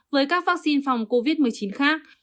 với các vaccine phòng covid một mươi chín khác